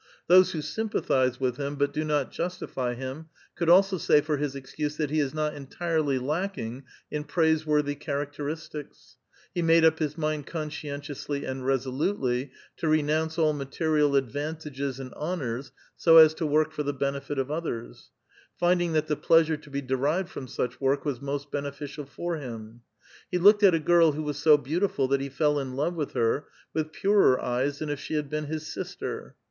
Those who sympathize with him, but do not iustifv him, c*ould also say for his excuse that he is not en tirely lacking in praisewortln* characteristics ; he made up his mi ml, conscientiously and resolutely, to renounce all material advantages and honoi*s, so as to work for the benefit of others, lindinj]: that the pleasure to be derived from such work was most beneficial for him ; he looked at a girl, who was so beau tiful that he fell in love with her, with purer eyes than if she had been his sister.